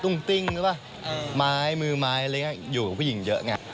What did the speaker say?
ตุ้มติ้งใช่ป่าวไม้มือไม้อะไรอยู่กับผู้หญิงเยอะไง